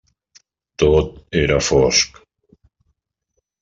Tot era fosc.